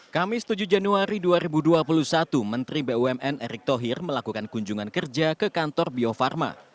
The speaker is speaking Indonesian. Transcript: kamis tujuh januari dua ribu dua puluh satu menteri bumn erick thohir melakukan kunjungan kerja ke kantor bio farma